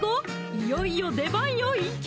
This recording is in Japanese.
いよいよ出番よいけ！